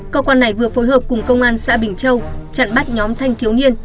cơ quan này vừa phối hợp cùng công an xã bình châu chặn bắt nhóm thanh thiếu niên